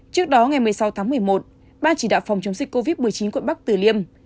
trước đó ngày một mươi sáu tháng một mươi một ban chỉ đạo phòng chống dịch covid một mươi chín quận bắc tử liêm